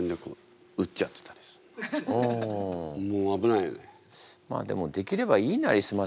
もう危ないよね。